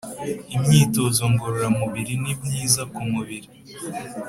imyitozo ngorora mubiri ni myiza ku mubiri